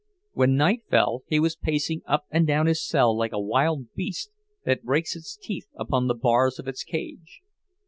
When night fell he was pacing up and down his cell like a wild beast that breaks its teeth upon the bars of its cage.